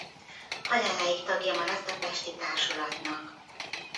Haláláig tagja maradt a pesti társulatnak.